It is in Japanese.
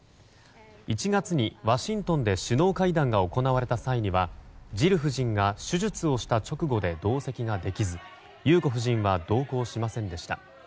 １月にワシントンで首脳会談が行われた際にはジル夫人が手術をした直後で同席ができず裕子夫人は同行しませんでした。